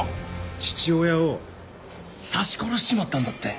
父親を刺し殺しちまったんだって。